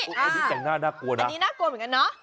อันนี้แต่งหน้าน่ากลัวนะอันนี้น่ากลัวเหมือนกันเนอะ